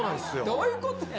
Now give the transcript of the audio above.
どういうことやねん。